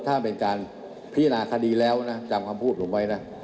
ถ้าเป็นการพิจารณาคดีแล้วนะจำคำพูดผมไว้นะ